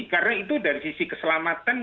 karena itu dari sisi keselamatan